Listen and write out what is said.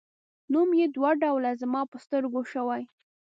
نوم یې دوه ډوله زما په سترګو شوی.